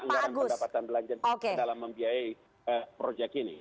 anggaran pendapatan belanja negara dalam membiayai proyek ini